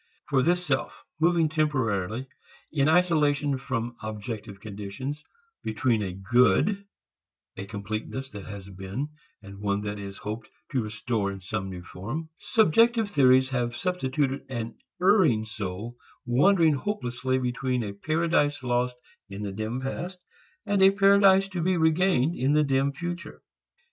For this self moving temporarily, in isolation from objective conditions, between a good, a completeness, that has been and one that it is hoped to restore in some new form, subjective theories have substituted an erring soul wandering hopelessly between a Paradise Lost in the dim past and a Paradise to be Regained in a dim future.